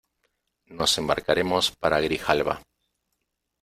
nos embarcaremos para Grijalba: